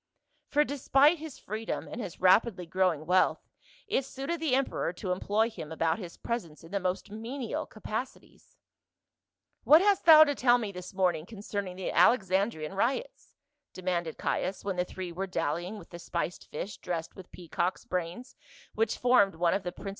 For despite his freedom and his rapidly growing wealth, it suited the emperor to employ him about his presence in the most menial capacities. " What hast thou to tell me this morning concern ing the Alexandrian riots?" demanded Caius, when the three were dallying with the spiced fish dressed with peacock's brains which formed one of the princi 156 PA UL.